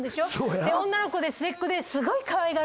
で女の子で末っ子で。